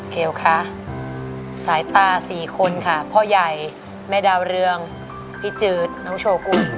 เกลคะสายตา๔คนค่ะพ่อใหญ่แม่ดาวเรืองพี่จืดน้องโชกุล